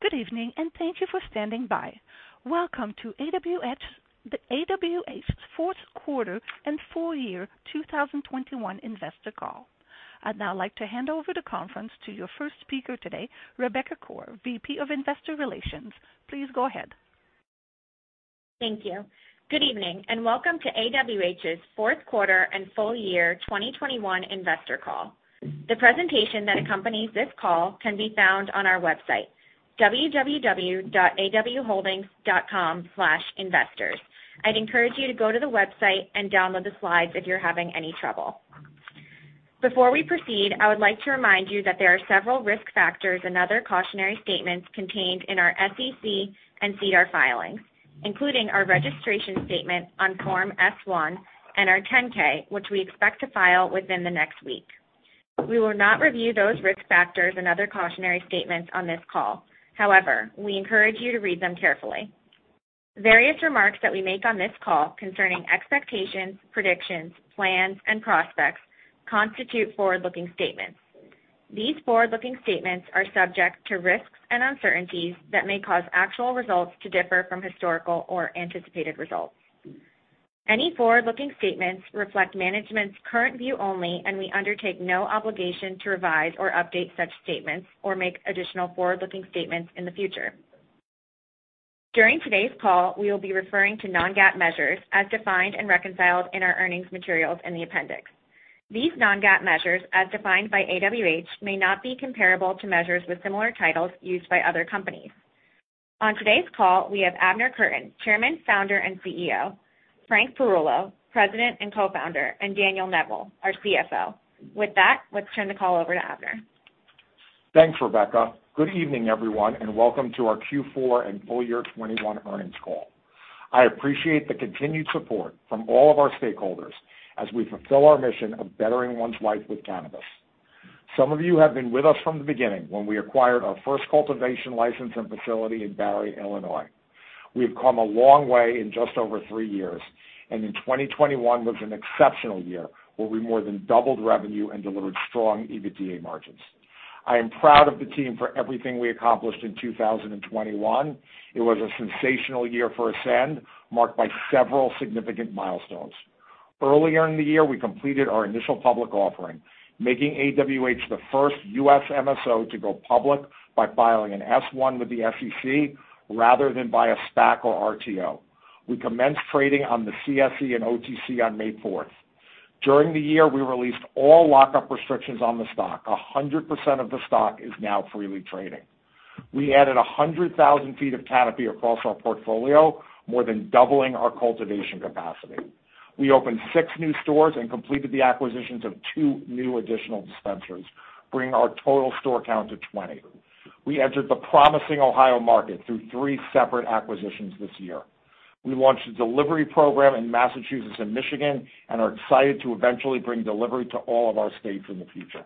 Good evening, and thank you for standing by. Welcome to the AWH fourth quarter and full year 2021 investor call. I'd now like to hand over the conference to your first speaker today, Rebecca Koar, VP of Investor Relations. Please go ahead. Thank you. Good evening, and welcome to AWH's fourth quarter and full year 2021 investor call. The presentation that accompanies this call can be found on our website, www.awholdings.com/investors. I'd encourage you to go to the website and download the slides if you're having any trouble. Before we proceed, I would like to remind you that there are several risk factors and other cautionary statements contained in our SEC and SEDAR filings, including our registration statement on Form S-1 and our 10-K, which we expect to file within the next week. We will not review those risk factors and other cautionary statements on this call. However, we encourage you to read them carefully. Various remarks that we make on this call concerning expectations, predictions, plans, and prospects constitute forward-looking statements. These forward-looking statements are subject to risks and uncertainties that may cause actual results to differ from historical or anticipated results. Any forward-looking statements reflect management's current view only, and we undertake no obligation to revise or update such statements or make additional forward-looking statements in the future. During today's call, we will be referring to non-GAAP measures as defined and reconciled in our earnings materials in the appendix. These non-GAAP measures, as defined by AWH, may not be comparable to measures with similar titles used by other companies. On today's call, we have Abner Kurtin, Chairman, Founder, and CEO, Frank Perullo, President and Co-Founder, and Daniel Neville, our CFO. With that, let's turn the call over to Abner. Thanks, Rebecca. Good evening, everyone, and welcome to our Q4 and full year 2021 earnings call. I appreciate the continued support from all of our stakeholders as we fulfill our mission of bettering one's life with cannabis. Some of you have been with us from the beginning when we acquired our first cultivation license and facility in Barry, Illinois. We have come a long way in just over three years, and in 2021 was an exceptional year, where we more than doubled revenue and delivered strong EBITDA margins. I am proud of the team for everything we accomplished in 2021. It was a sensational year for Ascend, marked by several significant milestones. Earlier in the year, we completed our initial public offering, making AWH the first U.S. MSO to go public by filing an S-1 with the SEC rather than by a SPAC or RTO. We commenced trading on the CSE and OTC on May 4. During the year, we released all lockup restrictions on the stock. 100% of the stock is now freely trading. We added 100,000 ft of canopy across our portfolio, more than doubling our cultivation capacity. We opened six new stores and completed the acquisitions of two new additional dispensaries, bringing our total store count to 20. We entered the promising Ohio market through three separate acquisitions this year. We launched a delivery program in Massachusetts and Michigan and are excited to eventually bring delivery to all of our states in the future.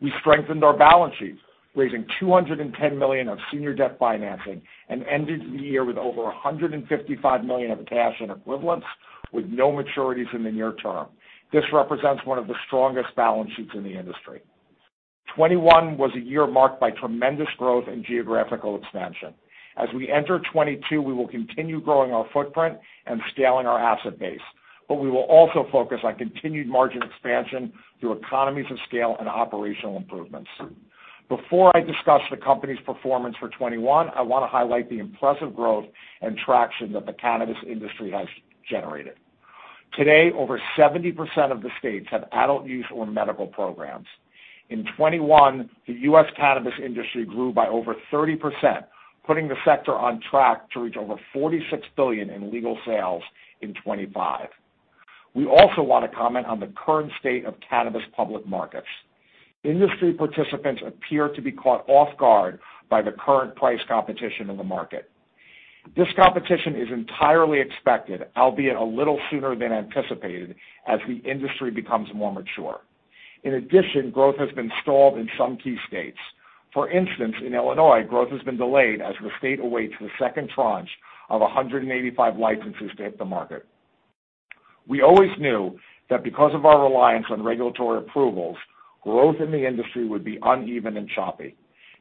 We strengthened our balance sheet, raising $210 million of senior debt financing and ended the year with over $155 million of cash and equivalents with no maturities in the near term. This represents one of the strongest balance sheets in the industry. 2021 was a year marked by tremendous growth and geographical expansion. As we enter 2022, we will continue growing our footprint and scaling our asset base, but we will also focus on continued margin expansion through economies of scale and operational improvements. Before I discuss the company's performance for 2021, I want to highlight the impressive growth and traction that the cannabis industry has generated. Today, over 70% of the states have adult use or medical programs. In 2021, the U.S. cannabis industry grew by over 30%, putting the sector on track to reach over $46 billion in legal sales in 2025. We also want to comment on the current state of cannabis public markets. Industry participants appear to be caught off guard by the current price competition in the market. This competition is entirely expected, albeit a little sooner than anticipated as the industry becomes more mature. In addition, growth has been stalled in some key states. For instance, in Illinois, growth has been delayed as the state awaits the second tranche of 185 licenses to hit the market. We always knew that because of our reliance on regulatory approvals, growth in the industry would be uneven and choppy.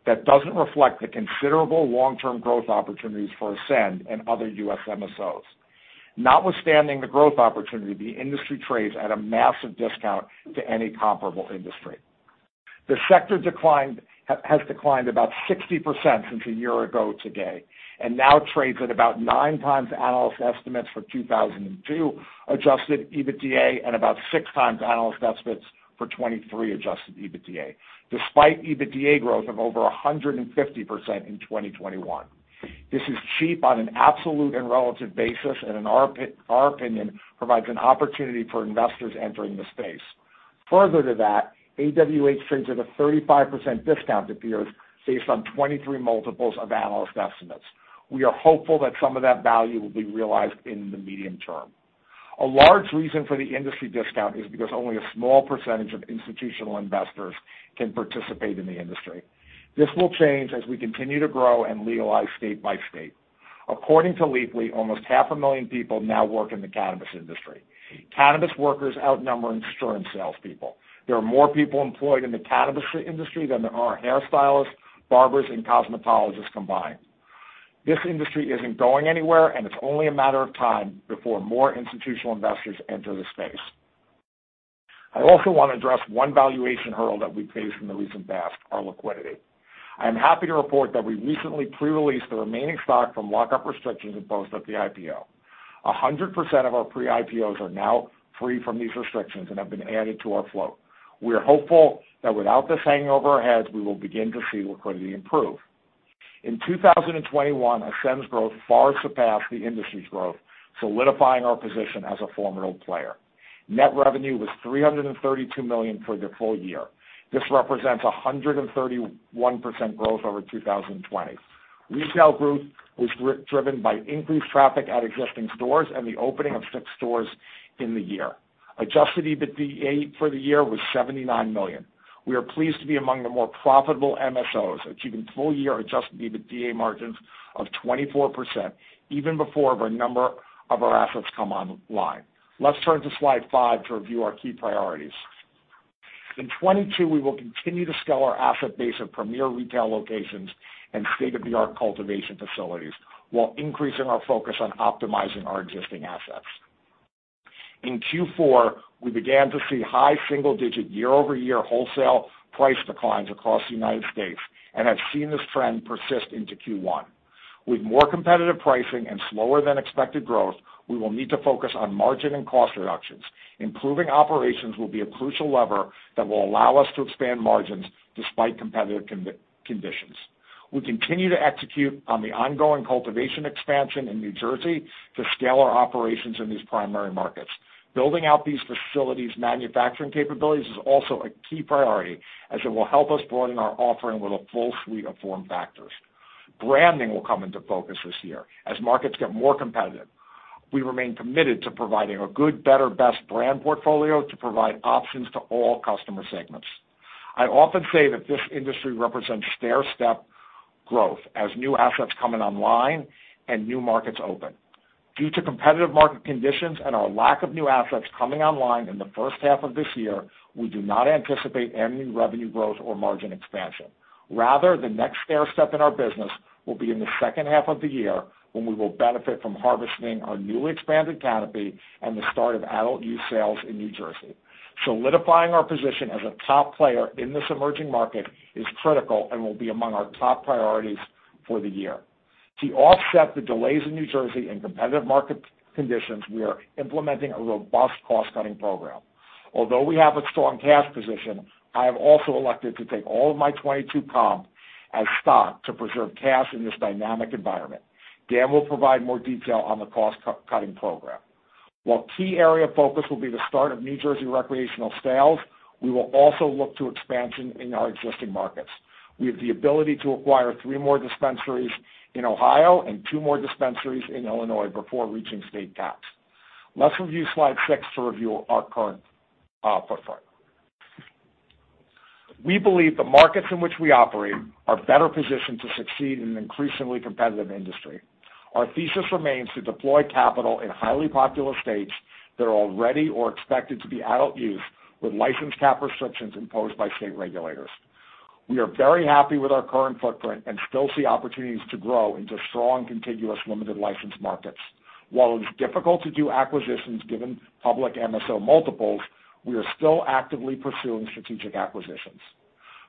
That doesn't reflect the considerable long-term growth opportunities for Ascend and other U.S. MSOs. Notwithstanding the growth opportunity, the industry trades at a massive discount to any comparable industry. The sector has declined about 60% since a year ago today, and now trades at about 9x analyst estimates for 2022 Adjusted EBITDA and about 6x analyst estimates for 2023 Adjusted EBITDA, despite EBITDA growth of over 150% in 2021. This is cheap on an absolute and relative basis, and in our opinion, provides an opportunity for investors entering the space. Further to that, AWH trades at a 35% discount to peers based on 2023 multiples of analyst estimates. We are hopeful that some of that value will be realized in the medium term. A large reason for the industry discount is because only a small percentage of institutional investors can participate in the industry. This will change as we continue to grow and legalize state by state. According to Leafly, almost 500,000 people now work in the cannabis industry. Cannabis workers outnumber insurance salespeople. There are more people employed in the cannabis industry than there are hairstylists, barbers, and cosmetologists combined. This industry isn't going anywhere, and it's only a matter of time before more institutional investors enter the space. I also wanna address one valuation hurdle that we faced in the recent past, our liquidity. I am happy to report that we recently pre-released the remaining stock from lockup restrictions imposed at the IPO. 100% of our pre-IPOs are now free from these restrictions and have been added to our float. We are hopeful that without this hanging over our heads, we will begin to see liquidity improve. In 2021, Ascend's growth far surpassed the industry's growth, solidifying our position as a formidable player. Net revenue was $332 million for the full year. This represents 131% growth over 2020. Retail growth was driven by increased traffic at existing stores and the opening of 6 stores in the year. Adjusted EBITDA for the year was $79 million. We are pleased to be among the more profitable MSOs, achieving full-year Adjusted EBITDA margins of 24% even before a number of our assets come online. Let's turn to slide five to review our key priorities. In 2022, we will continue to scale our asset base of premier retail locations and state-of-the-art cultivation facilities while increasing our focus on optimizing our existing assets. In Q4, we began to see high single-digit year-over-year wholesale price declines across the United States and have seen this trend persist into Q1. With more competitive pricing and slower than expected growth, we will need to focus on margin and cost reductions. Improving operations will be a crucial lever that will allow us to expand margins despite competitive conditions. We continue to execute on the ongoing cultivation expansion in New Jersey to scale our operations in these primary markets. Building out these facilities' manufacturing capabilities is also a key priority, as it will help us broaden our offering with a full suite of form factors. Branding will come into focus this year as markets get more competitive. We remain committed to providing a good better best brand portfolio to provide options to all customer segments. I often say that this industry represents stairstep growth as new assets coming online and new markets open. Due to competitive market conditions and our lack of new assets coming online in the first half of this year, we do not anticipate any revenue growth or margin expansion. Rather, the next stairstep in our business will be in the second half of the year when we will benefit from harvesting our newly expanded canopy and the start of adult use sales in New Jersey. Solidifying our position as a top player in this emerging market is critical and will be among our top priorities for the year. To offset the delays in New Jersey and competitive market conditions, we are implementing a robust cost-cutting program. Although we have a strong cash position, I have also elected to take all of my 2022 comp as stock to preserve cash in this dynamic environment. Dan will provide more detail on the cost-cutting program. While key area of focus will be the start of New Jersey recreational sales, we will also look to expansion in our existing markets. We have the ability to acquire three more dispensaries in Ohio and two more dispensaries in Illinois before reaching state caps. Let's review slide six to review our current footprint. We believe the markets in which we operate are better positioned to succeed in an increasingly competitive industry. Our thesis remains to deploy capital in highly populous states that are already or expected to be adult use with license cap restrictions imposed by state regulators. We are very happy with our current footprint and still see opportunities to grow into strong, contiguous, limited license markets. While it is difficult to do acquisitions given public MSO multiples, we are still actively pursuing strategic acquisitions.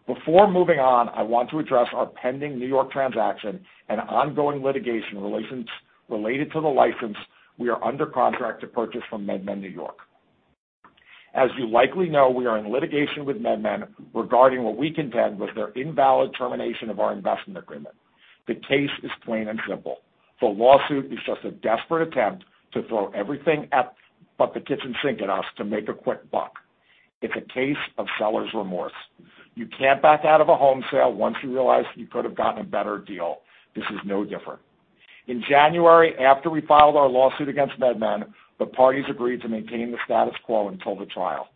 Before moving on, I want to address our pending New York transaction and ongoing litigation relations related to the license we are under contract to purchase from MedMen New York. As you likely know, we are in litigation with MedMen regarding what we contend was their invalid termination of our investment agreement. The case is plain and simple. The lawsuit is just a desperate attempt to throw everything but the kitchen sink at us to make a quick buck. It's a case of seller's remorse. You can't back out of a home sale once you realize you could have gotten a better deal. This is no different. In January, after we filed our lawsuit against MedMen, the parties agreed to maintain the status quo until the trial.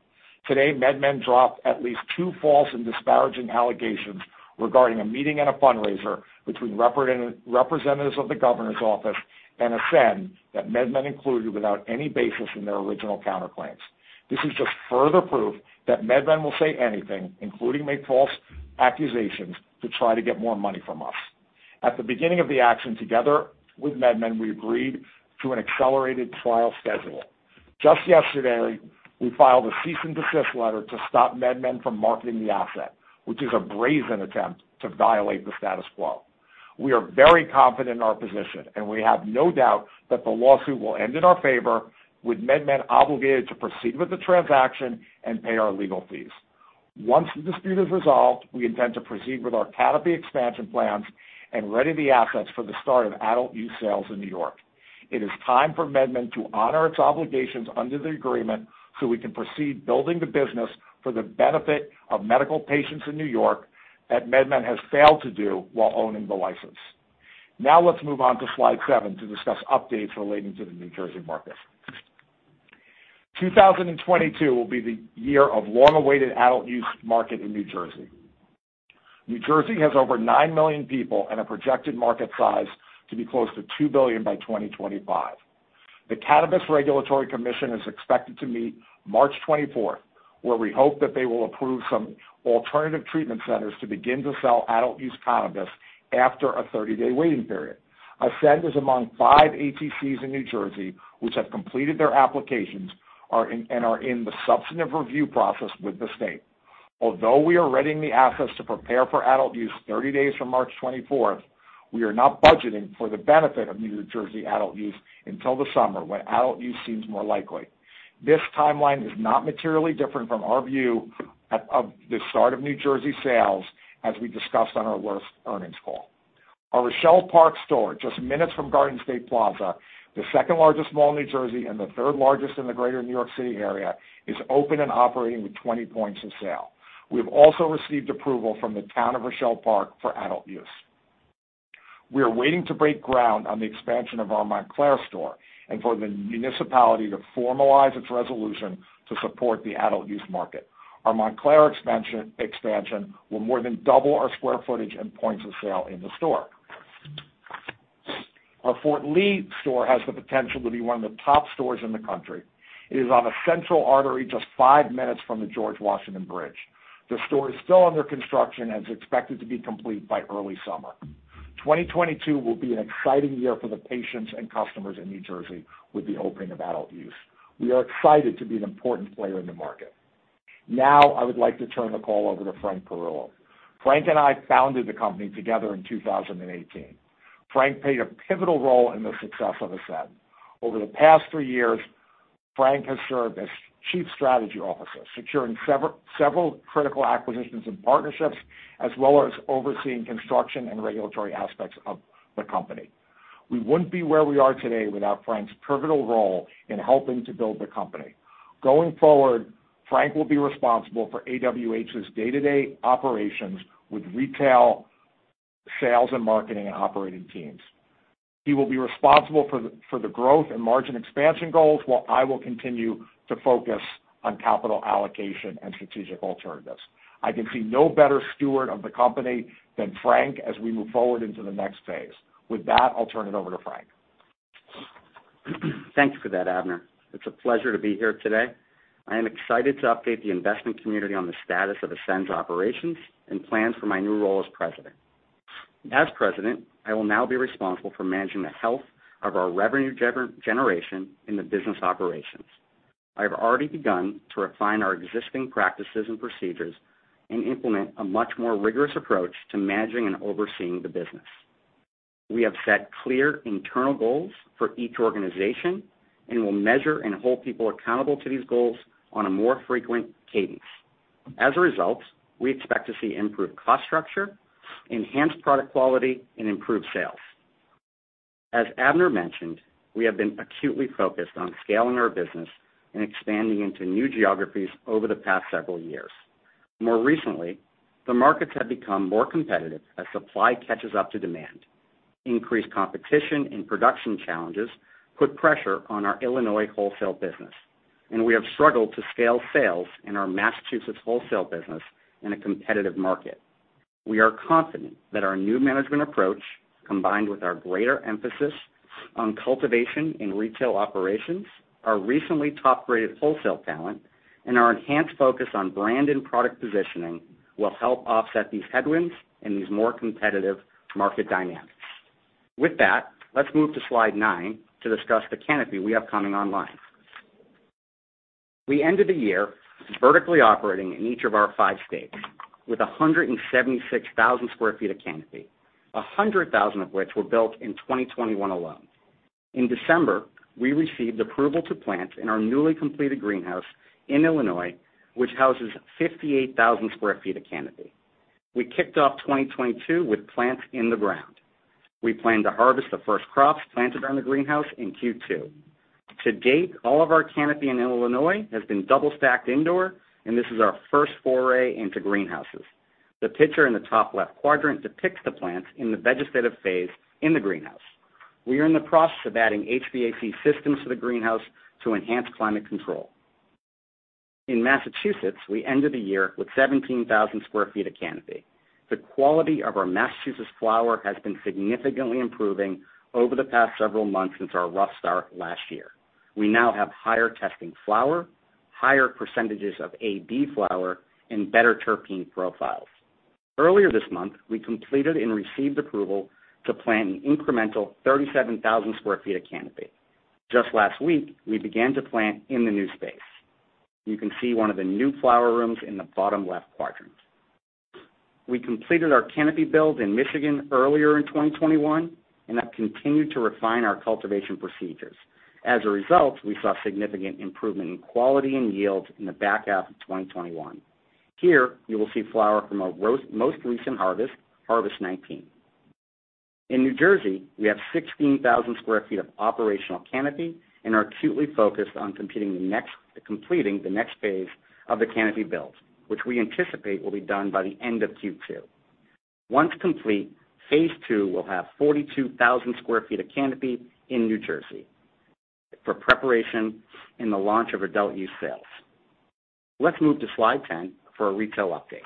Today, MedMen dropped at least two false and disparaging allegations regarding a meeting and a fundraiser between representatives of the governor's office and Ascend that MedMen included without any basis in their original counterclaims. This is just further proof that MedMen will say anything, including make false accusations, to try to get more money from us. At the beginning of the action, together with MedMen, we agreed to an accelerated trial schedule. Just yesterday, we filed a cease and desist letter to stop MedMen from marketing the asset, which is a brazen attempt to violate the status quo. We are very confident in our position, and we have no doubt that the lawsuit will end in our favor, with MedMen obligated to proceed with the transaction and pay our legal fees. Once the dispute is resolved, we intend to proceed with our canopy expansion plans and ready the assets for the start of adult use sales in New York. It is time for MedMen to honor its obligations under the agreement so we can proceed building the business for the benefit of medical patients in New York that MedMen has failed to do while owning the license. Now let's move on to slide seven to discuss updates relating to the New Jersey market. 2022 will be the year of long-awaited adult use market in New Jersey. New Jersey has over 9 million people and a projected market size to be close to $2 billion by 2025. The Cannabis Regulatory Commission is expected to meet March 24, where we hope that they will approve some alternative treatment centers to begin to sell adult use cannabis after a 30-day waiting period. Ascend is among five ATCs in New Jersey which have completed their applications and are in the substantive review process with the state. Although we are readying the assets to prepare for adult use 30 days from March 24, we are not budgeting for the benefit of New Jersey adult use until the summer, when adult use seems more likely. This timeline is not materially different from our view at the start of New Jersey sales, as we discussed on our last earnings call. Our Rochelle Park store, just minutes from Garden State Plaza, the second-largest mall in New Jersey and the third largest in the greater New York City area, is open and operating with 20 points of sale. We have also received approval from the town of Rochelle Park for adult use. We are waiting to break ground on the expansion of our Montclair store and for the municipality to formalize its resolution to support the adult use market. Our Montclair expansion will more than double our square footage and points of sale in the store. Our Fort Lee store has the potential to be one of the top stores in the country. It is on a central artery just 5 minutes from the George Washington Bridge. The store is still under construction and is expected to be complete by early summer. 2022 will be an exciting year for the patients and customers in New Jersey with the opening of adult use. We are excited to be an important player in the market. Now, I would like to turn the call over to Frank Perullo. Frank and I founded the company together in 2018. Frank played a pivotal role in the success of Ascend. Over the past three years, Frank has served as Chief Strategy Officer, securing several critical acquisitions and partnerships, as well as overseeing construction and regulatory aspects of the company. We wouldn't be where we are today without Frank's pivotal role in helping to build the company. Going forward, Frank will be responsible for AWH's day-to-day operations with retail, sales and marketing, and operating teams. He will be responsible for the growth and margin expansion goals, while I will continue to focus on capital allocation and strategic alternatives. I can see no better steward of the company than Frank as we move forward into the next phase. With that, I'll turn it over to Frank. Thank you for that, Abner. It's a pleasure to be here today. I am excited to update the investment community on the status of Ascend's operations and plans for my new role as President. As President, I will now be responsible for managing the health of our revenue generation in the business operations. I have already begun to refine our existing practices and procedures and implement a much more rigorous approach to managing and overseeing the business. We have set clear internal goals for each organization and will measure and hold people accountable to these goals on a more frequent cadence. As a result, we expect to see improved cost structure, enhanced product quality, and improved sales. As Abner mentioned, we have been acutely focused on scaling our business and expanding into new geographies over the past several years. More recently, the markets have become more competitive as supply catches up to demand. Increased competition and production challenges put pressure on our Illinois wholesale business, and we have struggled to scale sales in our Massachusetts wholesale business in a competitive market. We are confident that our new management approach, combined with our greater emphasis on cultivation and retail operations, our recently top-rated wholesale talent, and our enhanced focus on brand and product positioning, will help offset these headwinds and these more competitive market dynamics. With that, let's move to slide nine to discuss the canopy we have coming online. We ended the year vertically operating in each of our five states with 176,000 sq ft of canopy, 100,000 of which were built in 2021 alone. In December, we received approval to plant in our newly completed greenhouse in Illinois, which houses 58,000 sq ft of canopy. We kicked off 2022 with plants in the ground. We plan to harvest the first crops planted around the greenhouse in Q2. To date, all of our canopy in Illinois has been double-stacked indoor, and this is our first foray into greenhouses. The picture in the top left quadrant depicts the plants in the vegetative phase in the greenhouse. We are in the process of adding HVAC systems to the greenhouse to enhance climate control. In Massachusetts, we ended the year with 17,000 sq ft of canopy. The quality of our Massachusetts flower has been significantly improving over the past several months since our rough start last year. We now have higher-testing flower, higher percentages of AB flower, and better terpene profiles. Earlier this month, we completed and received approval to plant an incremental 37,000 sq ft of canopy. Just last week, we began to plant in the new space. You can see one of the new flower rooms in the bottom left quadrant. We completed our canopy build in Michigan earlier in 2021 and have continued to refine our cultivation procedures. As a result, we saw significant improvement in quality and yield in the back half of 2021. Here, you will see flower from our most recent harvest, August 19. In New Jersey, we have 16,000 sq ft of operational canopy and are acutely focused on completing the next phase of the canopy build, which we anticipate will be done by the end of Q2. Once complete, phase two will have 42,000 sq ft of canopy in New Jersey for preparation and the launch of adult use sales. Let's move to slide 10 for a retail update.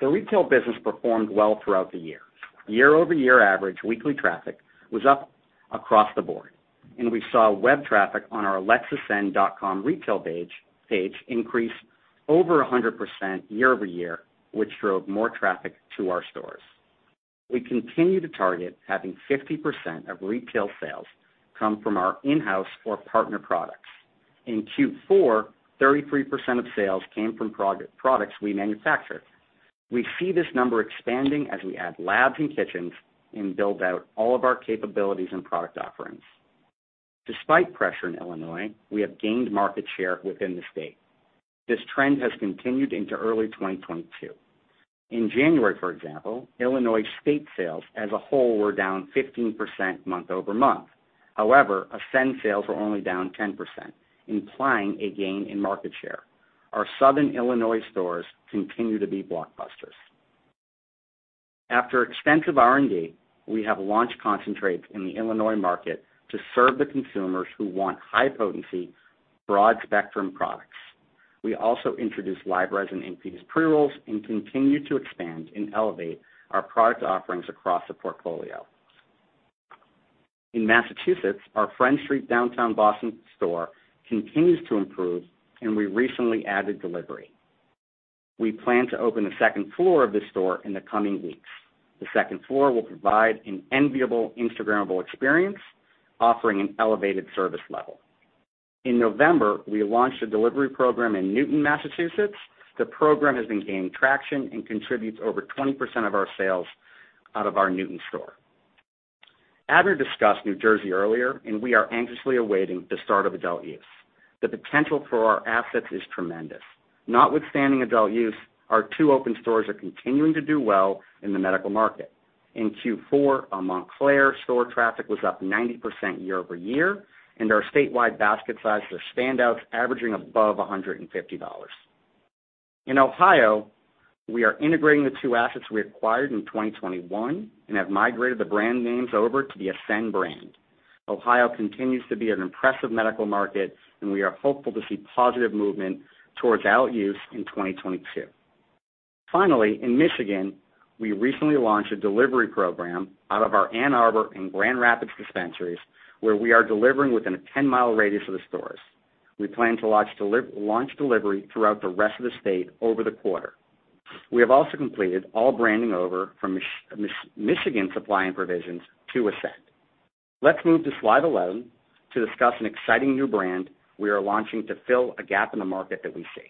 The retail business performed well throughout the year. Year-over-year average weekly traffic was up across the board, and we saw web traffic on our letsascend.com retail page increase over 100% year-over-year, which drove more traffic to our stores. We continue to target having 50% of retail sales come from our in-house or partner products. In Q4, 33% of sales came from products we manufactured. We see this number expanding as we add labs and kitchens and build out all of our capabilities and product offerings. Despite pressure in Illinois, we have gained market share within the state. This trend has continued into early 2022. In January, for example, Illinois state sales as a whole were down 15% month-over-month. However, Ascend sales were only down 10%, implying a gain in market share. Our Southern Illinois stores continue to be blockbusters. After extensive R&D, we have launched concentrates in the Illinois market to serve the consumers who want high-potency, broad-spectrum products. We also introduced live resin infused pre-rolls and continue to expand and elevate our product offerings across the portfolio. In Massachusetts, our Friend Street downtown Boston store continues to improve, and we recently added delivery. We plan to open the second floor of the store in the coming weeks. The second floor will provide an enviable Instagrammable experience, offering an elevated service level. In November, we launched a delivery program in Newton, Massachusetts. The program has been gaining traction and contributes over 20% of our sales out of our Newton store. Abner discussed New Jersey earlier, and we are anxiously awaiting the start of adult use. The potential for our assets is tremendous. Notwithstanding adult use, our two open stores are continuing to do well in the medical market. In Q4, our Montclair store traffic was up 90% year-over-year, and our statewide basket sizes are standouts averaging above $150. In Ohio, we are integrating the two assets we acquired in 2021 and have migrated the brand names over to the Ascend brand. Ohio continues to be an impressive medical market, and we are hopeful to see positive movement towards adult use in 2022. Finally, in Michigan, we recently launched a delivery program out of our Ann Arbor and Grand Rapids dispensaries, where we are delivering within a 10 mi radius of the stores. We plan to launch delivery throughout the rest of the state over the quarter. We have also completed all rebranding from Michigan Supply and Provisions to Ascend. Let's move to slide 11 to discuss an exciting new brand we are launching to fill a gap in the market that we see.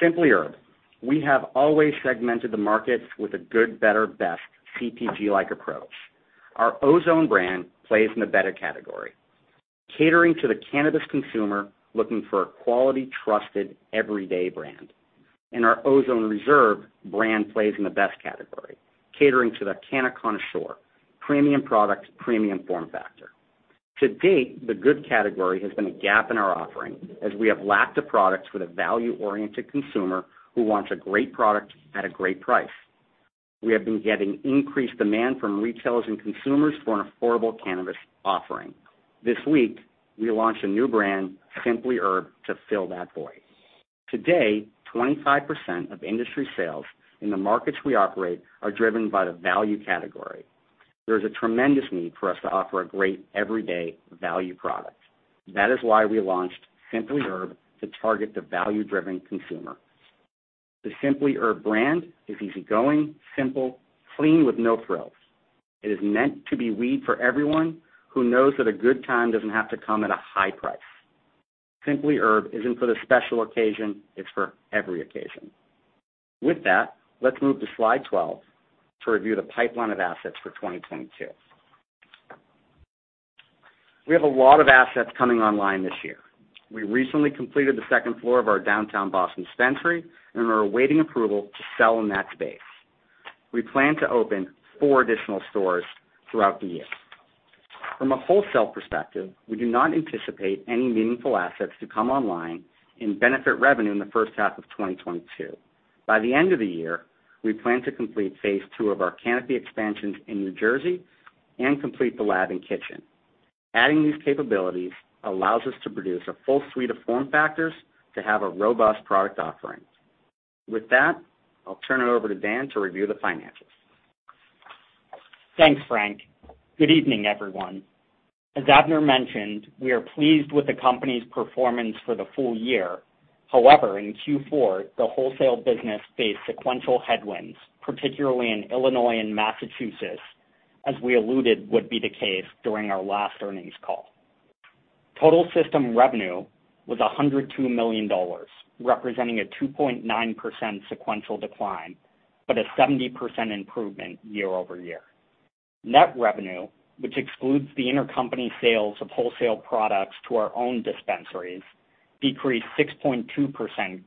Simply Herb. We have always segmented the markets with a good better, best CPG-like approach. Our Ozone brand plays in the better category, catering to the cannabis consumer looking for a quality, trusted, everyday brand. Our Ozone Reserve brand plays in the best category, catering to the canna-connoisseur. Premium product, premium form factor. To date, the good category has been a gap in our offering as we have lacked the products for the value-oriented consumer who wants a great product at a great price. We have been getting increased demand from retailers and consumers for an affordable cannabis offering. This week, we launched a new brand, Simply Herb, to fill that void. Today, 25% of industry sales in the markets we operate are driven by the value category. There is a tremendous need for us to offer a great everyday value product. That is why we launched Simply Herb to target the value-driven consumer. The Simply Herb brand is easygoing, simple, clean, with no frills. It is meant to be weed for everyone who knows that a good time doesn't have to come at a high price. Simply Herb isn't for the special occasion, it's for every occasion. With that, let's move to slide 12 to review the pipeline of assets for 2022. We have a lot of assets coming online this year. We recently completed the second floor of our downtown Boston dispensary, and we're awaiting approval to sell in that space. We plan to open four additional stores throughout the year. From a wholesale perspective, we do not anticipate any meaningful assets to come online and benefit revenue in the first half of 2022. By the end of the year, we plan to complete phase two of our canopy expansions in New Jersey and complete the lab and kitchen. Adding these capabilities allows us to produce a full suite of form factors to have a robust product offering. With that, I'll turn it over to Dan to review the financials. Thanks, Frank. Good evening, everyone. As Abner mentioned, we are pleased with the company's performance for the full year. However, in Q4, the wholesale business faced sequential headwinds, particularly in Illinois and Massachusetts, as we alluded would be the case during our last earnings call. Total system revenue was $102 million, representing a 2.9% sequential decline, but a 70% improvement year-over-year. Net revenue, which excludes the intercompany sales of wholesale products to our own dispensaries, decreased 6.2%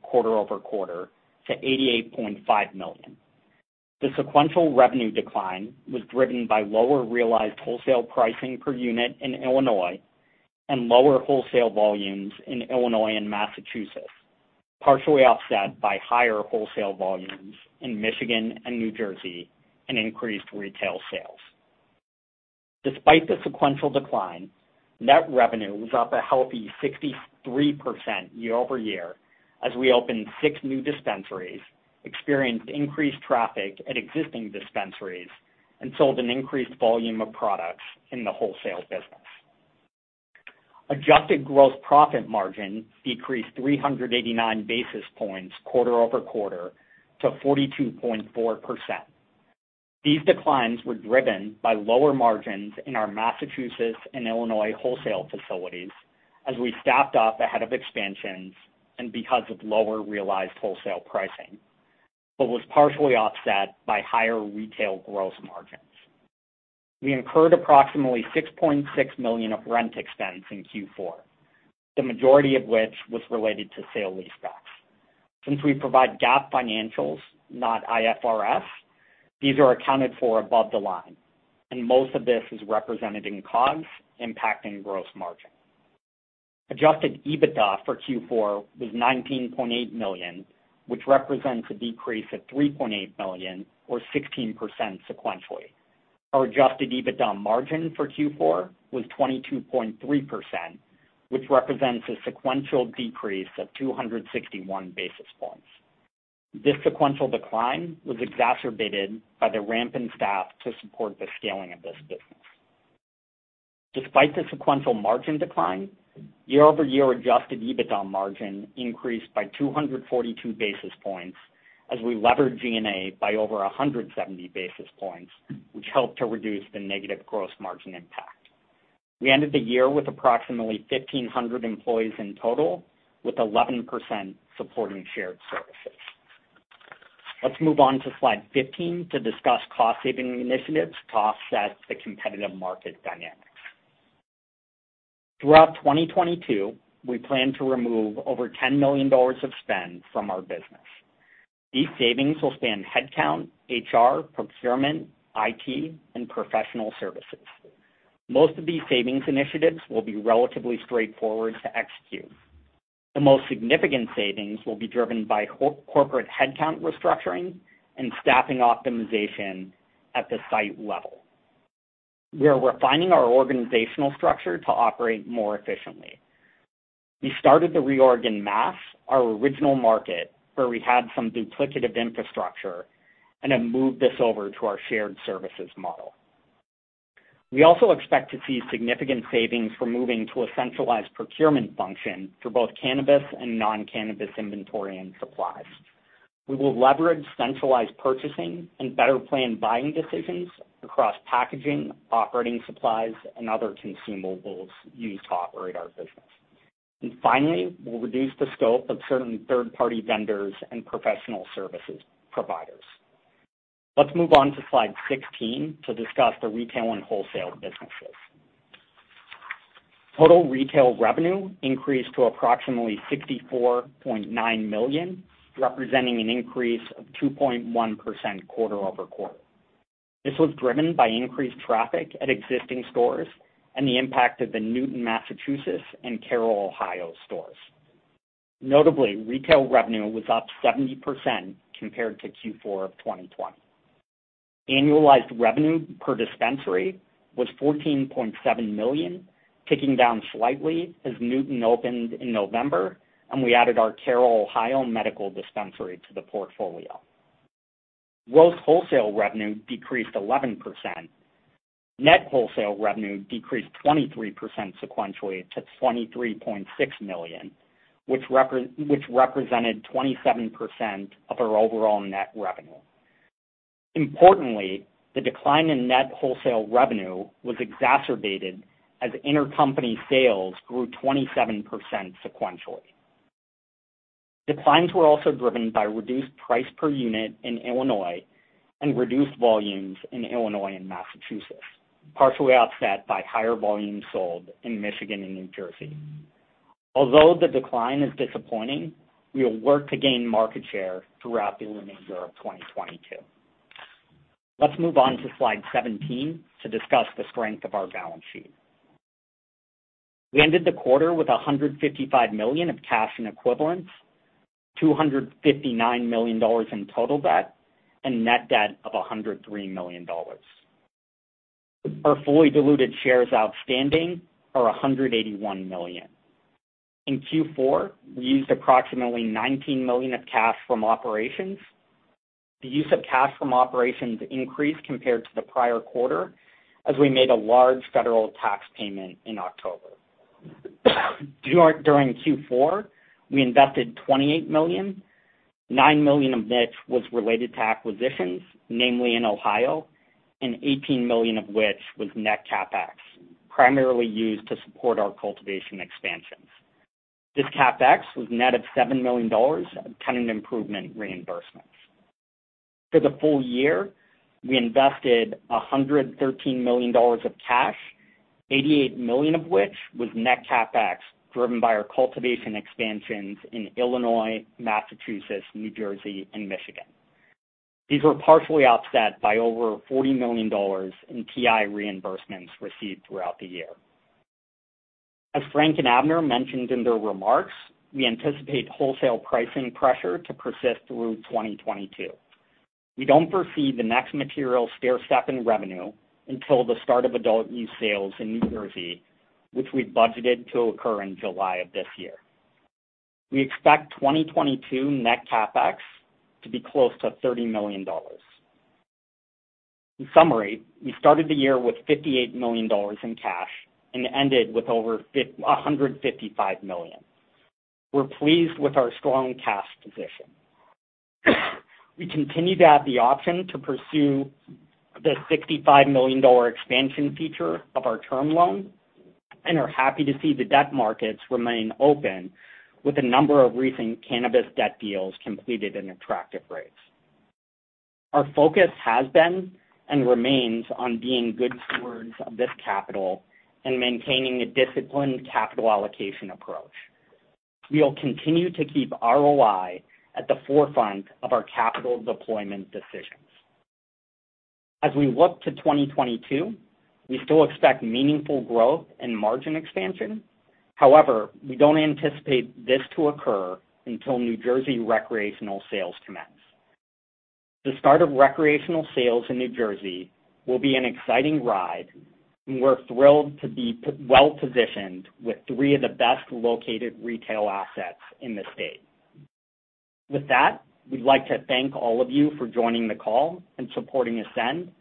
quarter-over-quarter to $88.5 million. The sequential revenue decline was driven by lower realized wholesale pricing per unit in Illinois and lower wholesale volumes in Illinois and Massachusetts, partially offset by higher wholesale volumes in Michigan and New Jersey and increased retail sales. Despite the sequential decline, net revenue was up a healthy 63% year-over-year as we opened six new dispensaries, experienced increased traffic at existing dispensaries, and sold an increased volume of products in the wholesale business. Adjusted gross profit margin decreased 389 basis points quarter-over-quarter to 42.4%. These declines were driven by lower margins in our Massachusetts and Illinois wholesale facilities as we staffed up ahead of expansions and because of lower realized wholesale pricing, but was partially offset by higher retail gross margins. We incurred approximately $6.6 million of rent expense in Q4, the majority of which was related to sale leasebacks. Since we provide GAAP financials, not IFRS, these are accounted for above the line, and most of this is represented in COGS, impacting gross margin. Adjusted EBITDA for Q4 was $19.8 million, which represents a decrease of $3.8 million or 16% sequentially. Our Adjusted EBITDA margin for Q4 was 22.3%, which represents a sequential decrease of 261 basis points. This sequential decline was exacerbated by the ramp in staff to support the scaling of this business. Despite the sequential margin decline, year-over-year Adjusted EBITDA margin increased by 242 basis points as we levered G&A by over 170 basis points, which helped to reduce the negative gross margin impact. We ended the year with approximately 1,500 employees in total, with 11% supporting shared services. Let's move on to slide 15 to discuss cost-saving initiatives to offset the competitive market dynamics. Throughout 2022, we plan to remove over $10 million of spend from our business. These savings will span headcount, HR, procurement, IT, and professional services. Most of these savings initiatives will be relatively straightforward to execute. The most significant savings will be driven by corporate headcount restructuring and staffing optimization at the site level. We are refining our organizational structure to operate more efficiently. We started the reorg in Mass, our original market, where we had some duplicative infrastructure, and have moved this over to our shared services model. We also expect to see significant savings from moving to a centralized procurement function for both cannabis and non-cannabis inventory and supplies. We will leverage centralized purchasing and better plan buying decisions across packaging, operating supplies, and other consumables used to operate our business. Finally, we'll reduce the scope of certain third-party vendors and professional services providers. Let's move on to slide 16 to discuss the retail and wholesale businesses. Total retail revenue increased to approximately $64.9 million, representing an increase of 2.1% quarter-over-quarter. This was driven by increased traffic at existing stores and the impact of the Newton, Massachusetts, and Carroll, Ohio stores. Notably, retail revenue was up 70% compared to Q4 of 2020. Annualized revenue per dispensary was $14.7 million, ticking down slightly as Newton opened in November, and we added our Carroll, Ohio medical dispensary to the portfolio. Gross wholesale revenue decreased 11%. Net wholesale revenue decreased 23% sequentially to $23.6 million, which represented 27% of our overall net revenue. Importantly, the decline in net wholesale revenue was exacerbated as intercompany sales grew 27% sequentially. Declines were also driven by reduced price per unit in Illinois and reduced volumes in Illinois and Massachusetts, partially offset by higher volumes sold in Michigan and New Jersey. Although the decline is disappointing, we will work to gain market share throughout the remainder of 2022. Let's move on to slide 17 to discuss the strength of our balance sheet. We ended the quarter with $155 million of cash and equivalents, $259 million in total debt, and net debt of $103 million. Our fully diluted shares outstanding are 181 million. In Q4, we used approximately $19 million of cash from operations. The use of cash from operations increased compared to the prior quarter as we made a large federal tax payment in October. During Q4, we invested $28 million, $9 million of which was related to acquisitions, namely in Ohio, and $18 million of which was net CapEx, primarily used to support our cultivation expansions. This CapEx was net of $7 million of tenant improvement reimbursements. For the full year, we invested $113 million of cash. $88 million of which was net CapEx driven by our cultivation expansions in Illinois, Massachusetts, New Jersey, and Michigan. These were partially offset by over $40 million in TI reimbursements received throughout the year. As Frank and Abner mentioned in their remarks, we anticipate wholesale pricing pressure to persist through 2022. We don't foresee the next material stairstep in revenue until the start of adult use sales in New Jersey, which we budgeted to occur in July of this year. We expect 2022 net CapEx to be close to $30 million. In summary, we started the year with $58 million in cash and ended with over a $155 million. We're pleased with our strong cash position. We continue to have the option to pursue the $65 million expansion feature of our term loan and are happy to see the debt markets remain open with a number of recent cannabis debt deals completed in attractive rates. Our focus has been and remains on being good stewards of this capital and maintaining a disciplined capital allocation approach. We'll continue to keep ROI at the forefront of our capital deployment decisions. As we look to 2022, we still expect meaningful growth and margin expansion. However, we don't anticipate this to occur until New Jersey recreational sales commence. The start of recreational sales in New Jersey will be an exciting ride, and we're thrilled to be well positioned with three of the best-located retail assets in the state. With that, we'd like to thank all of you for joining the call and supporting Ascend.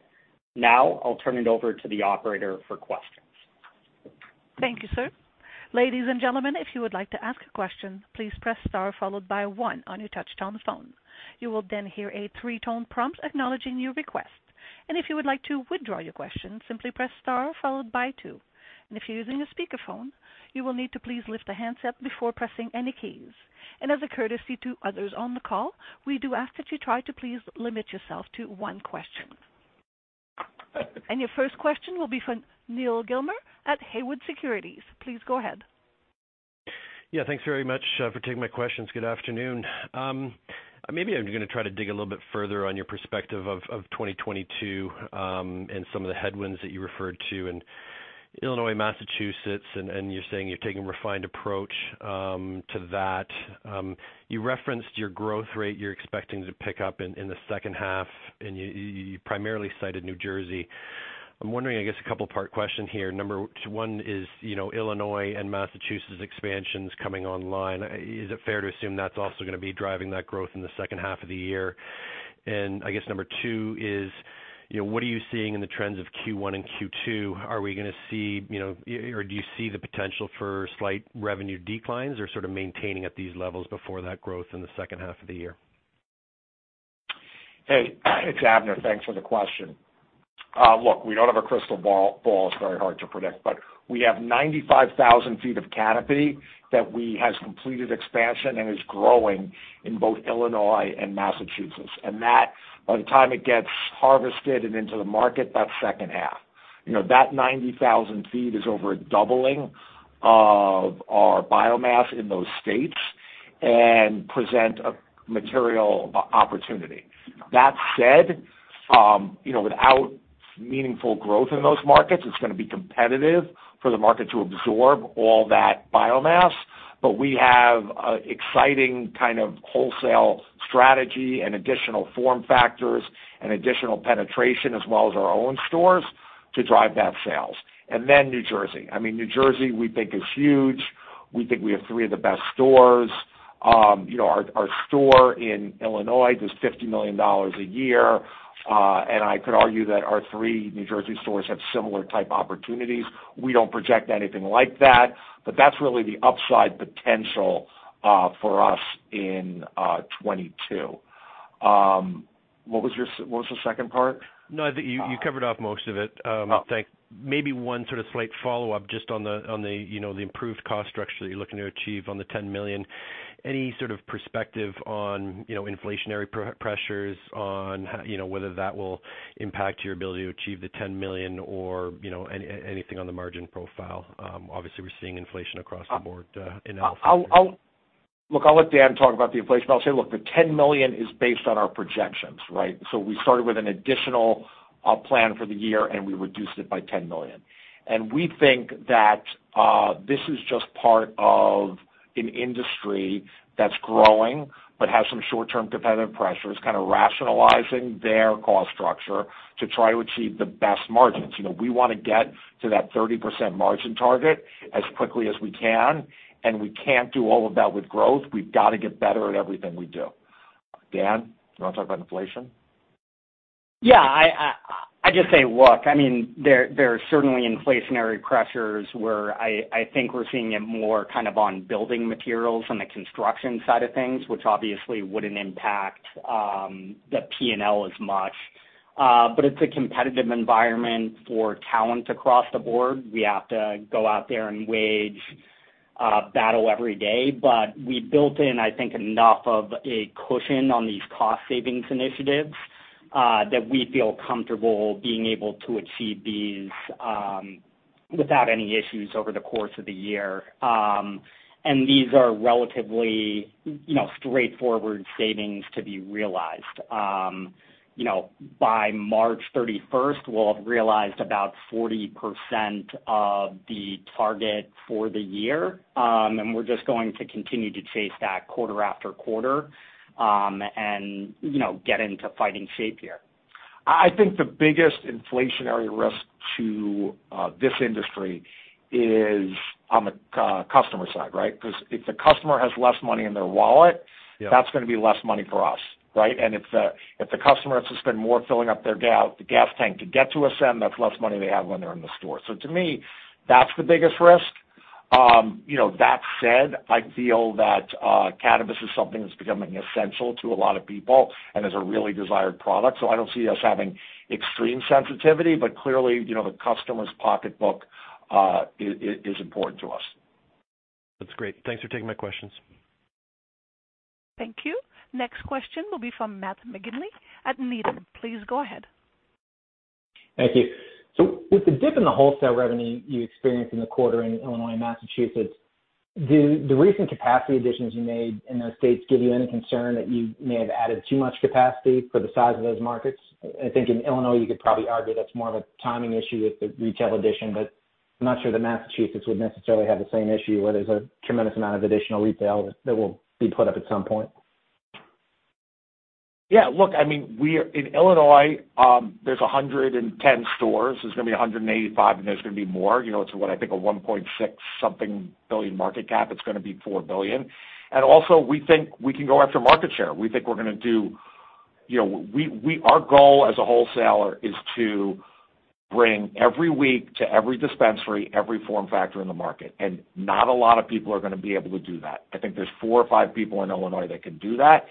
Now, I'll turn it over to the operator for questions. Thank you, sir. Ladies and gentlemen, if you would like to ask a question, please press star followed by one on your touchtone phone. You will then hear a three tone prompt acknowledging your request. If you would like to withdraw your question, simply press star followed by two. If you're using a speakerphone, you will need to please lift the handset before pressing any keys. As a courtesy to others on the call, we do ask that you try to please limit yourself to one question. Your first question will be from Neal Gilmer at Haywood Securities. Please go ahead. Yeah, thanks very much for taking my questions. Good afternoon. Maybe I'm gonna try to dig a little bit further on your perspective of 2022 and some of the headwinds that you referred to in Illinois, Massachusetts, and you're saying you're taking a refined approach to that. You referenced your growth rate you're expecting to pick up in the second half, and you primarily cited New Jersey. I'm wondering, I guess, a couple part question here. Number one is, you know, Illinois and Massachusetts expansions coming online. Is it fair to assume that's also gonna be driving that growth in the second half of the year? I guess number two is, you know, what are you seeing in the trends of Q1 and Q2? Are we gonna see, you know, or do you see the potential for slight revenue declines or sort of maintaining at these levels before that growth in the second half of the year? Hey, it's Abner. Thanks for the question. Look, we don't have a crystal ball. It's very hard to predict. We have 95,000 ft of canopy that has completed expansion and is growing in both Illinois and Massachusetts. That, by the time it gets harvested and into the market, that's second half. You know, that 90,000 ft is over a doubling of our biomass in those states and present a material opportunity. That said, you know, without meaningful growth in those markets, it's gonna be competitive for the market to absorb all that biomass. We have an exciting kind of wholesale strategy and additional form factors and additional penetration as well as our own stores to drive that sales. Then New Jersey. I mean, New Jersey, we think is huge. We think we have three of the best stores. You know, our store in Illinois does $50 million a year, and I could argue that our three New Jersey stores have similar type opportunities. We don't project anything like that, but that's really the upside potential for us in 2022. What was the second part? No, I think you covered off most of it. Thanks. Maybe one sort of slight follow-up just on the you know the improved cost structure that you're looking to achieve on the $10 million. Any sort of perspective on you know inflationary pressures on you know whether that will impact your ability to achieve the $10 million or you know anything on the margin profile? Obviously, we're seeing inflation across the board. And I've a follow-up. Look, I'll let Dan talk about the inflation. I'll say, look, the $10 million is based on our projections, right? We started with an additional plan for the year, and we reduced it by $10 million. We think that this is just part of an industry that's growing but has some short-term competitive pressures, kind of rationalizing their cost structure to try to achieve the best margins. You know, we wanna get to that 30% margin target as quickly as we can, and we can't do all of that with growth. We've got to get better at everything we do. Dan, you wanna talk about inflation? Yeah, I just say, look, I mean, there are certainly inflationary pressures where I think we're seeing it more kind of on building materials on the construction side of things, which obviously wouldn't impact the P&L as much. It's a competitive environment for talent across the board. We have to go out there and wage a battle every day, but we built in, I think, enough of a cushion on these cost savings initiatives that we feel comfortable being able to achieve these without any issues over the course of the year. These are relatively, you know, straightforward savings to be realized. You know, by March 31, we'll have realized about 40% of the target for the year, and we're just going to continue to chase that quarter-after-quarter, and, you know, get into fighting shape here. I think the biggest inflationary risk to this industry is on the customer side, right? Because if the customer has less money in their wallet- Yeah. That's gonna be less money for us, right? If the customer has to spend more filling up their gas, the gas tank to get to us then, that's less money they have when they're in the store. To me, that's the biggest risk. You know, that said, I feel that cannabis is something that's becoming essential to a lot of people and is a really desired product. I don't see us having extreme sensitivity, but clearly, you know, the customer's pocketbook is important to us. That's great. Thanks for taking my questions. Thank you. Next question will be from Matt McGinley at Needham. Please go ahead. Thank you. With the dip in the wholesale revenue you experienced in the quarter in Illinois and Massachusetts, do the recent capacity additions you made in those states give you any concern that you may have added too much capacity for the size of those markets? I think in Illinois, you could probably argue that's more of a timing issue with the retail addition, but I'm not sure that Massachusetts would necessarily have the same issue where there's a tremendous amount of additional retail that will be put up at some point. Yeah. Look, I mean, in Illinois, there's 110 stores. There's gonna be 185, and there's gonna be more. You know, it's what I think a $1.6 something billion market cap. It's gonna be $4 billion. Also, we think we can go after market share. We think we're gonna, you know, our goal as a wholesaler is to bring every week to every dispensary, every form factor in the market, and not a lot of people are gonna be able to do that. I think there's four or five people in Illinois that can do that.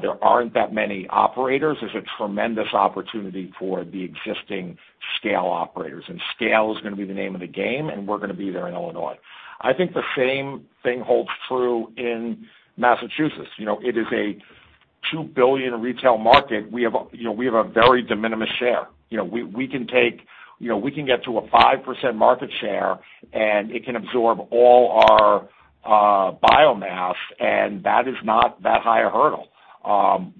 There aren't that many operators. There's a tremendous opportunity for the existing scale operators, and scale is gonna be the name of the game, and we're gonna be there in Illinois. I think the same thing holds true in Massachusetts. You know, it is a $2 billion retail market. We have a, you know, we have a very de minimis share. You know, we can take, you know, we can get to a 5% market share, and it can absorb all our biomass, and that is not that high a hurdle.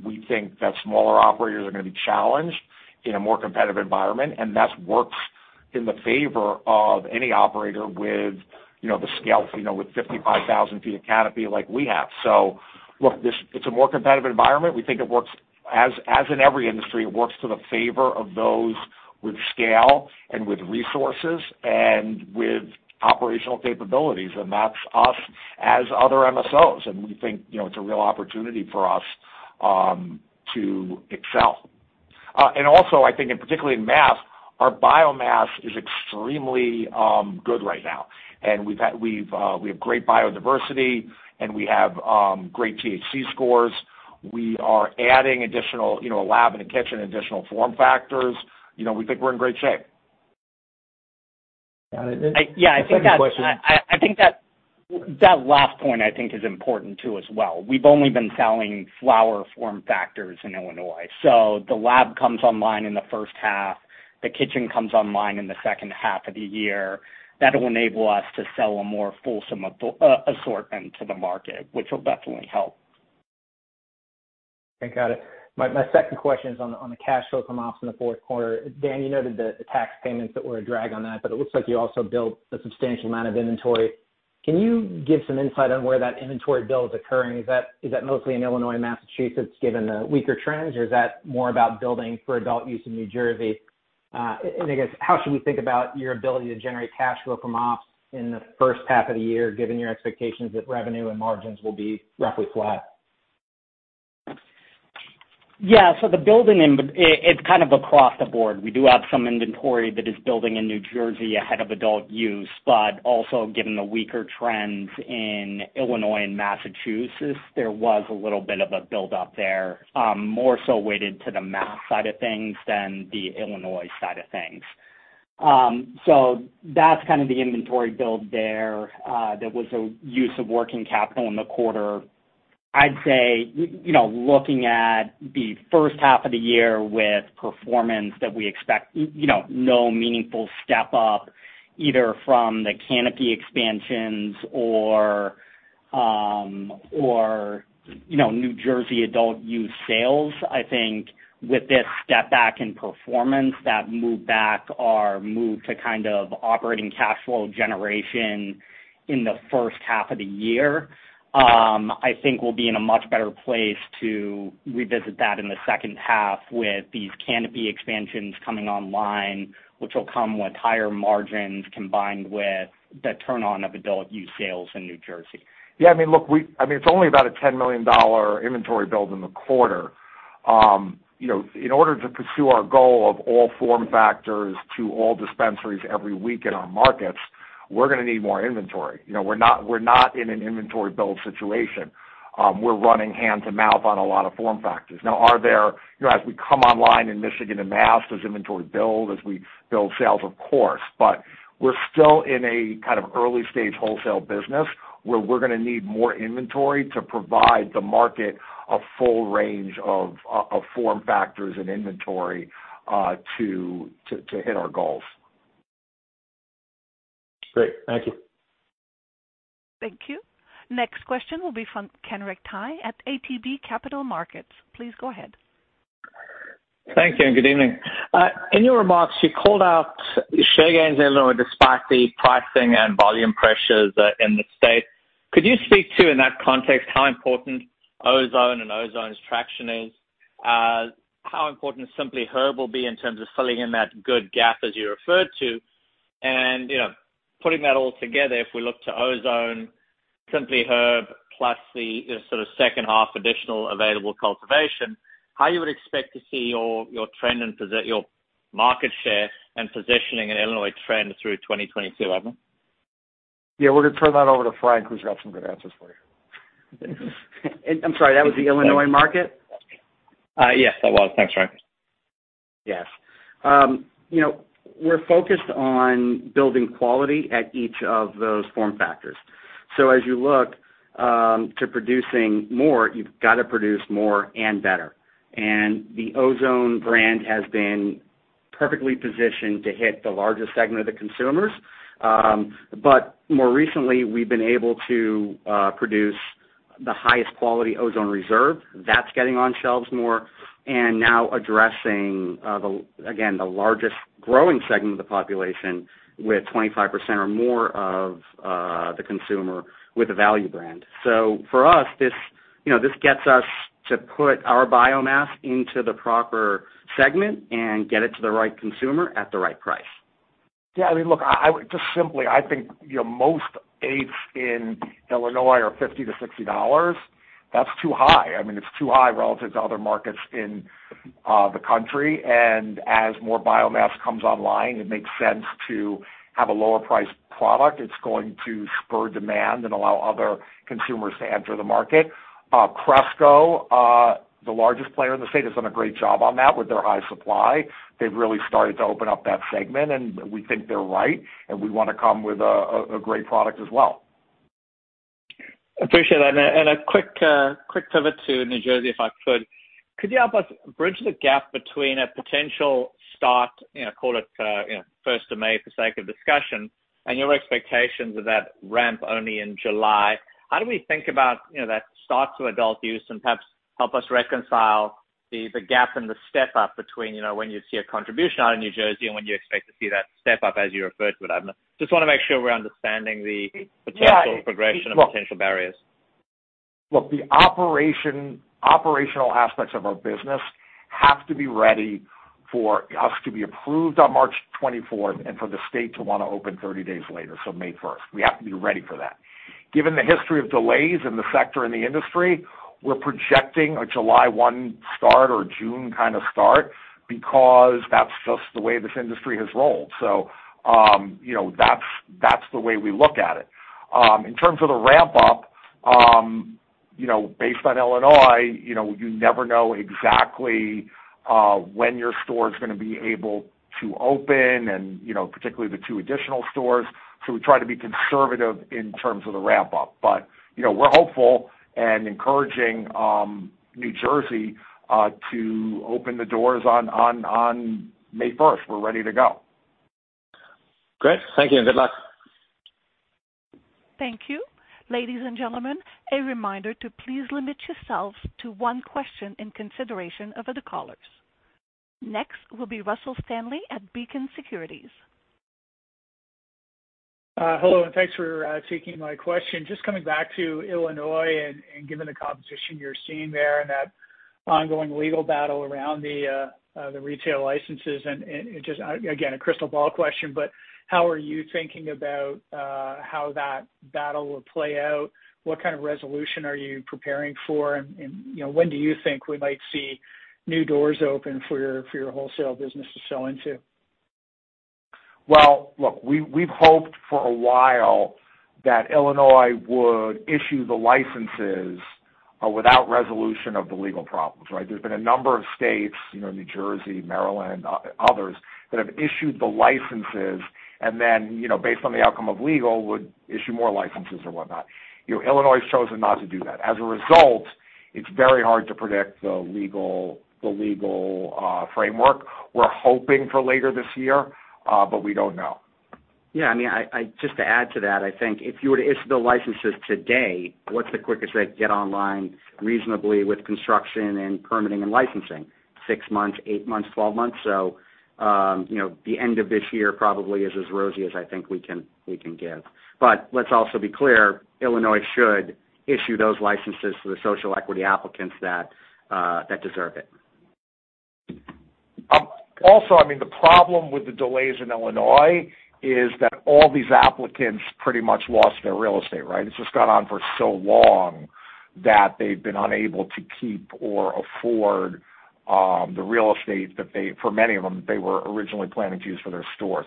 We think that smaller operators are gonna be challenged in a more competitive environment, and that works in the favor of any operator with, you know, the scale, you know, with 55,000 sq ft of canopy like we have. Look, it's a more competitive environment. We think it works as in every industry, it works to the favor of those with scale and with resources and with operational capabilities, and that's us as other MSOs. We think, you know, it's a real opportunity for us to excel. I think particularly in Mass, our biomass is extremely good right now. We have great biodiversity, and we have great [THC] scores. We are adding additional, you know, a lab and a kitchen, additional form factors. You know, we think we're in great shape. Got it. The second question. Yeah, I think that last point is important too as well. We've only been selling flower form factors in Illinois. The lab comes online in the first half. The kitchen comes online in the second half of the year. That will enable us to sell a more fulsome assortment to the market, which will definitely help. Okay. Got it. My second question is on the cash flow from ops in the fourth quarter. Dan, you noted the tax payments that were a drag on that, but it looks like you also built a substantial amount of inventory. Can you give some insight on where that inventory build is occurring? Is that mostly in Illinois and Massachusetts given the weaker trends, or is that more about building for adult use in New Jersey? I guess, how should we think about your ability to generate cash flow from ops in the first half of the year, given your expectations that revenue and margins will be roughly flat? It is kind of across the board. We do have some inventory that is building in New Jersey ahead of adult use, but also given the weaker trends in Illinois and Massachusetts, there was a little bit of a build up there, more so weighted to the Massachusetts side of things than the Illinois side of things. That is kind of the inventory build there. There was a use of working capital in the quarter. I'd say, you know, looking at the first half of the year with performance that we expect, you know, no meaningful step up either from the canopy expansions or New Jersey adult use sales. I think with this step back in performance, that move back or move to kind of operating cash flow generation in the first half of the year, I think we'll be in a much better place to revisit that in the second half with these canopy expansions coming online, which will come with higher margins combined with the turn on of adult use sales in New Jersey. Yeah. I mean, look, we-- I mean, it's only about a $10 million inventory build in the quarter. You know, in order to pursue our goal of all form factors to all dispensaries every week in our markets, we're gonna need more inventory. You know, we're not in an inventory build situation. We're running hand to mouth on a lot of form factors. You know, as we come online in Michigan and Mass, does inventory build as we build sales? Of course. But we're still in a kind of early stage wholesale business where we're gonna need more inventory to provide the market a full range of form factors and inventory to hit our goals. Great. Thank you. Thank you. Next question will be from Kenric Tyghe at ATB Capital Markets. Please go ahead. Thank you, and good evening. In your remarks, you called out share gains in Illinois despite the pricing and volume pressures in the state. Could you speak to, in that context, how important Ozone and Ozone's traction is? How important Simply Herb will be in terms of filling in that good gap as you referred to, and, you know, putting that all together, if we look to Ozone, Simply Herb, plus the sort of second half additional available cultivation, how you would expect to see your market share and positioning in Illinois trend through 2022, Abner? Yeah, we're gonna turn that over to Frank, who's got some good answers for you. I'm sorry, that was the Illinois market? Yes, it was. Thanks, Frank. Yes. You know, we're focused on building quality at each of those form factors. As you look to producing more, you've got to produce more and better. The Ozone brand has been perfectly positioned to hit the largest segment of the consumers. More recently, we've been able to produce the highest quality Ozone Reserve. That's getting on shelves more and now addressing the, again, the largest growing segment of the population with 25% or more of the consumer with a value brand. For us, this, you know, this gets us to put our biomass into the proper segment and get it to the right consumer at the right price. Yeah, I mean, look, I would just simply, I think, you know, most eighths in Illinois are $50-$60. That's too high. I mean, it's too high relative to other markets in the country. As more biomass comes online, it makes sense to have a lower priced product. It's going to spur demand and allow other consumers to enter the market. Cresco, the largest player in the state, has done a great job on that with their High Supply. They've really started to open up that segment, and we think they're right, and we wanna come with a great product as well. Appreciate that. A quick pivot to New Jersey, if I could. Could you help us bridge the gap between a potential start, you know, call it, you know, first of May for sake of discussion, and your expectations of that ramp only in July? How do we think about, you know, that start to adult use and perhaps help us reconcile the gap and the step up between, you know, when you see a contribution out of New Jersey and when you expect to see that step up as you refer to it, Abner? Just wanna make sure we're understanding the potential progression of potential barriers. Look, the operation, operational aspects of our business have to be ready for us to be approved on March 24 and for the state to wanna open 30 days later, so May 1. We have to be ready for that. Given the history of delays in the sector and the industry, we're projecting a July 1 start or June kind of start because that's just the way this industry has rolled. You know, that's the way we look at it. In terms of the ramp up, you know, based on Illinois, you know, you never know exactly when your store's gonna be able to open and, you know, particularly the two additional stores. We try to be conservative in terms of the ramp up. You know, we're hopeful and encouraging New Jersey to open the doors on May 1. We're ready to go. Great. Thank you and good luck. Thank you. Ladies and gentlemen, a reminder to please limit yourself to one question in consideration of other callers. Next will be Russell Stanley at Beacon Securities. Hello, and thanks for taking my question. Just coming back to Illinois and given the competition you're seeing there and that ongoing legal battle around the retail licenses and just, again, a crystal ball question, but how are you thinking about how that battle will play out? What kind of resolution are you preparing for? You know, when do you think we might see new doors open for your wholesale business to sell into? Well, look, we've hoped for a while that Illinois would issue the licenses without resolution of the legal problems, right? There's been a number of states, you know, New Jersey, Maryland, others, that have issued the licenses, and then, you know, based on the outcome of legal, would issue more licenses or whatnot. You know, Illinois's chosen not to do that. As a result, it's very hard to predict the legal framework. We're hoping for later this year, but we don't know. Yeah, I mean, just to add to that, I think if you were to issue the licenses today, what's the quickest way to get online reasonably with construction and permitting and licensing? Six months, eight months, 12 months. You know, the end of this year probably is as rosy as I think we can give. But let's also be clear, Illinois should issue those licenses to the social equity applicants that deserve it. I mean, the problem with the delays in Illinois is that all these applicants pretty much lost their real estate, right? It's just gone on for so long that they've been unable to keep or afford the real estate that they, for many of them, they were originally planning to use for their store.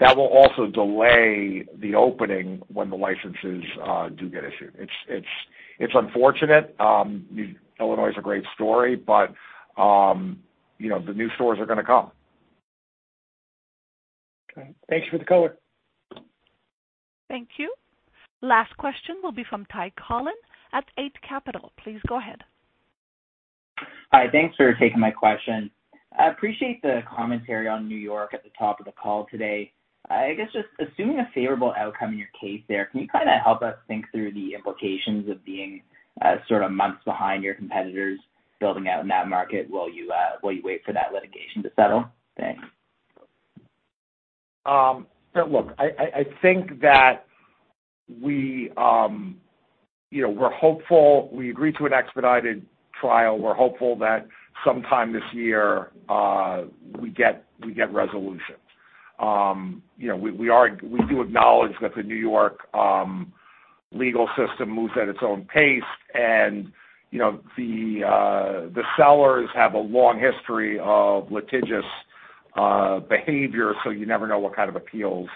That will also delay the opening when the licenses do get issued. It's unfortunate. Illinois is a great story, but you know, the new stores are gonna come. Okay. Thanks for the color. Thank you. Last question will be from Ty Collin at Eight Capital. Please go ahead. Hi, thanks for taking my question. I appreciate the commentary on New York at the top of the call today. I guess just assuming a favorable outcome in your case there, can you kinda help us think through the implications of being sort of months behind your competitors building out in that market while you wait for that litigation to settle? Thanks. Look, I think that we, you know, we're hopeful. We agreed to an expedited trial. We're hopeful that sometime this year, we get resolution. You know, we do acknowledge that the New York legal system moves at its own pace and, you know, the sellers have a long history of litigious behavior, so you never know what kind of appeals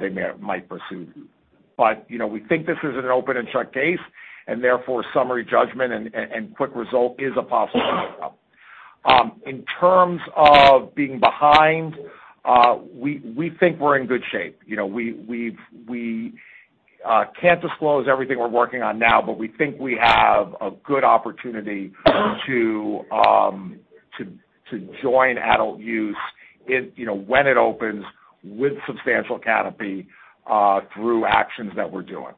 they may or might pursue. You know, we think this is an open-and-shut case, and therefore summary judgment and quick result is a possibility. In terms of being behind, we think we're in good shape. You know, we've can't disclose everything we're working on now, but we think we have a good opportunity to join adult use in, you know, when it opens with substantial canopy through actions that we're doing.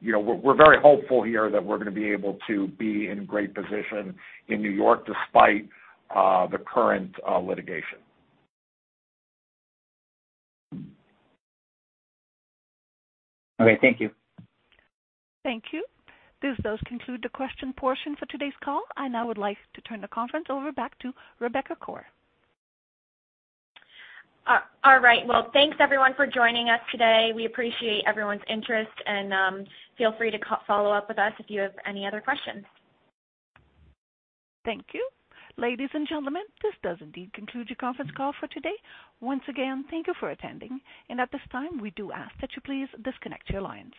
You know, we're very hopeful here that we're gonna be able to be in great position in New York despite the current litigation. Okay, thank you. Thank you. This does conclude the question portion for today's call. I now would like to turn the conference over back to Rebecca Koar. All right. Well, thanks, everyone, for joining us today. We appreciate everyone's interest and feel free to follow up with us if you have any other questions. Thank you. Ladies and gentlemen, this does indeed conclude your conference call for today. Once again, thank you for attending. At this time, we do ask that you please disconnect your lines.